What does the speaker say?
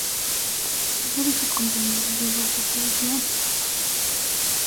Uno de sus compañeros de dojo fue Giant Baba.